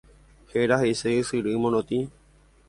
Héra he'ise ysyry morotĩ.